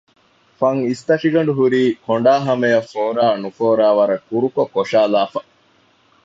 ފަން އިސްތަށިގަނޑު ހުރީ ކޮނޑާ ހަމަޔަށް ފޯރާ ނުފޯރާ ވަރަށް ކުރުކޮށް ކޮށައިލައިފަ